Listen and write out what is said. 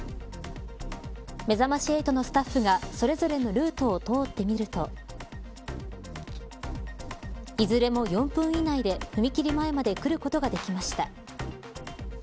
めざまし８のスタッフがそれぞれのルートを通ってみるといずれも４分以内で踏切前まで来ることができました。